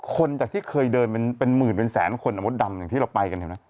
จากที่เคยเดินเป็นหมื่นเป็นแสนคนอ่ะมดดำอย่างที่เราไปกันเห็นไหม